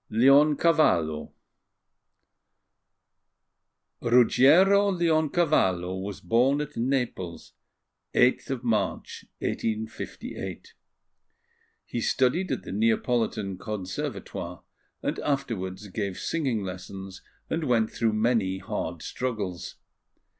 LEONCAVALLO RUGGIERO LEONCAVALLO was born at Naples 8th March, 1858. He studied at the Neapolitan Conservatoire, and afterwards gave singing lessons and went through many hard struggles.